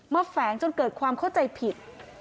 แฝงจนเกิดความเข้าใจผิด